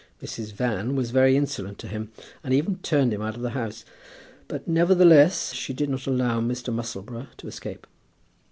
Mrs. Van was very insolent to him, and even turned him out of the house. But, nevertheless, she did not allow Mr. Musselboro to escape.